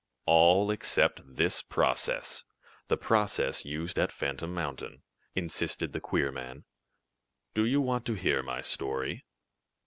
"All except this process the process used at Phantom Mountain," insisted the queer man. "Do you want to hear my story?"